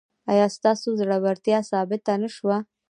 ایا ستاسو زړورتیا ثابته نه شوه؟